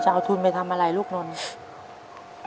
เอาทุนไปทำอะไรลูกนนท์